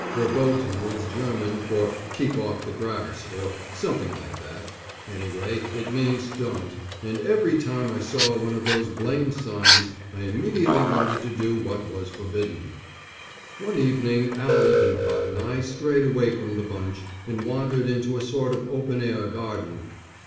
"Verboten" is German for "Keep off the Grass," or something like that, anyway it means "Don't," and every time I saw one of those blamed signs, I immediately wanted to do what was forbidden. One evening Al Lippincott and I strayed away from the bunch, and wandered into a sort of open air garden.